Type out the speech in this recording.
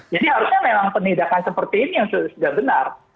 jadi harusnya memang pendidikan seperti ini yang sudah benar